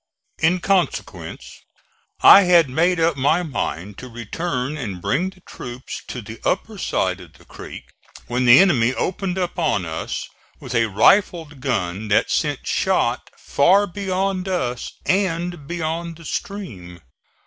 In consequence I had made up my mind to return and bring the troops to the upper side of the creek, when the enemy opened upon us with a rifled gun that sent shot far beyond us and beyond the stream.